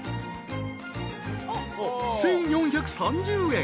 ［１，４３０円］